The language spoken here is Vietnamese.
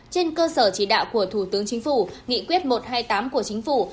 trên cơ sở chỉ đạo của thủ tướng chính phủ nghị quyết một trăm hai mươi tám của chính phủ